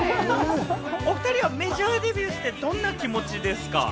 お２人はメジャーデビューして、どんな気持ちですか？